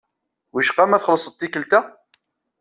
Wicqa ma txellṣeḍ tikelt-a?